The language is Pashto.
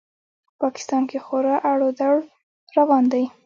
په پاکستان کې خورا اړ و دوړ روان دی.